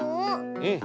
うん。